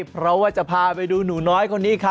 เพราะว่าจะพาไปดูหนูน้อยคนนี้ครับ